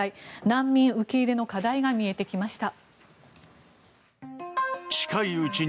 難民受け入れの課題が見えてきました。